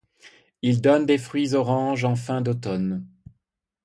Il donne des fruits orange en fin d'automne.